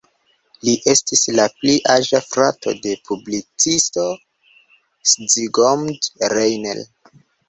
Li estis la pli aĝa frato de publicisto Zsigmond Reiner.